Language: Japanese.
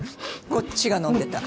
こっちが飲んでた。